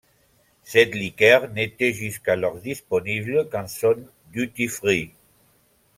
Cette liqueur n'était jusqu'alors disponible qu'en zone duty free.